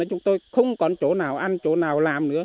chúng tôi không còn chỗ nào ăn chỗ nào làm nữa